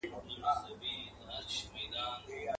هغه کيسې د تباهيو، سوځېدلو کړلې.